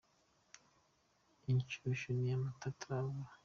inshyushyu ni amata ataravura